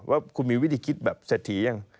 ว่าคุณมีวิธีคิดแบบเศรษฐียัง